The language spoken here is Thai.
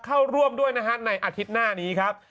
เข้าร่วมด้วยนะฮะในอาทิตย์หน้านี้ครับ